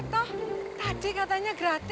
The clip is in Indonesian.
tipu gak keren banget